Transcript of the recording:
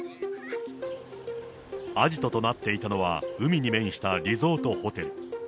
アジトとなっていたのは海に面したリゾートホテル。